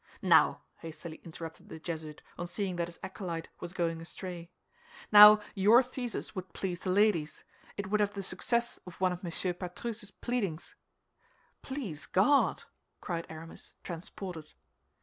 "Now," hastily interrupted the Jesuit, on seeing that his acolyte was going astray, "now your thesis would please the ladies; it would have the success of one of Monsieur Patru's pleadings." "Please God!" cried Aramis, transported.